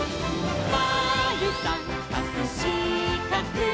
「まるさんかくしかく」